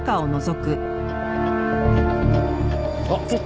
あっちょっ。